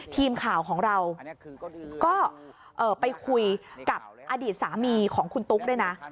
ทีมข่าวของเราก็ไปคุยกับอดีตสามีของคุณตุ๊กด้วยนะ